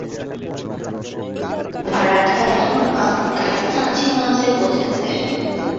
মারাঠা এখন আফগানিস্তান সীমান্তে পৌঁছেছে।